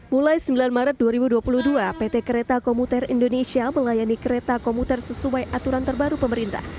mulai sembilan maret dua ribu dua puluh dua pt kereta komuter indonesia melayani kereta komuter sesuai aturan terbaru pemerintah